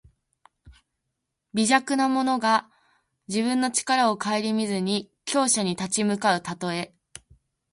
微弱な者が自分の力をかえりみずに強者に立ち向かうたとえ。